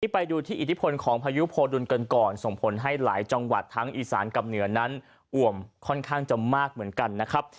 ไปดูที่อิทธิพลของพายุโพดุลกันก่อนส่งผลให้หลายจังหวัดทั้งอีสานกับเหนือนั้นอ่วมค่อนข้างจะมากเหมือนกันนะครับ